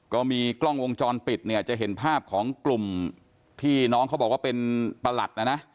ก็มีกล้องวงจรปิดเนี่ยจะเห็นภาพของกลุ่มที่น้องเขาบอกว่าเป็นประหลัดนะนะ